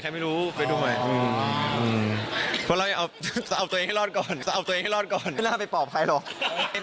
อย่างน่าไปปลอบใครหรอกเขาจะตอบใครหรอก